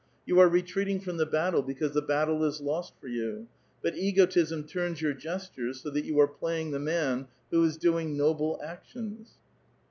You are retreating from the battle because the battle is lost for 3'ou, but egotism turns your gestures so that you are playing the man who is doing noble actions.'